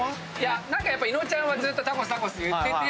何か伊野尾ちゃんはずっと「タコスタコス」言ってて。